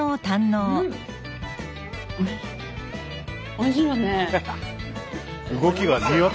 おいしいよね。